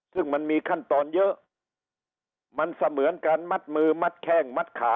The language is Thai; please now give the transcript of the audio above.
ซึ่งมันมีขั้นตอนเยอะมันเสมือนการมัดมือมัดแข้งมัดขา